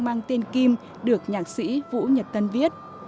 mang tên kim được nhạc sĩ vũ nhật tân viết